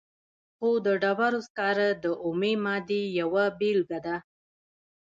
خو د ډبرو سکاره د اومې مادې یوه بیلګه ده.